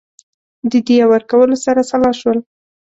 د دیه ورکولو سره سلا شول.